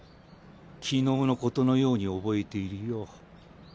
昨日のことのように覚えているよ。